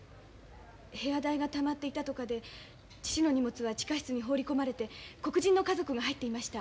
部屋代がたまっていたとかで父の荷物は地下室に放り込まれて黒人の家族が入っていました。